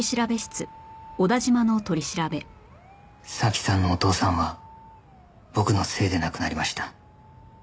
早紀さんのお父さんは僕のせいで亡くなりました。